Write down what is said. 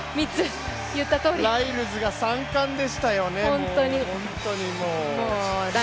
ライルズが３冠でしたよ。